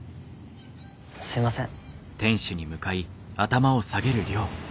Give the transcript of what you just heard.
すいません。